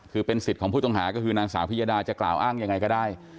คือเป็นสิทธิ์ของผู้ต้องหาก็คือนางสาวพิยดาจะกล่าวอ้างยังไงก็ได้